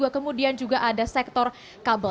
kemudian juga ada sektor kabel